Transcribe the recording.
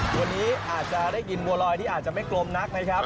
วันนี้อาจจะได้กินบัวลอยที่อาจจะไม่กลมนักนะครับ